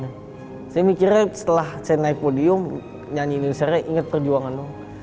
saya mikirnya setelah saya naik podium nyanyi usernya inget perjuangan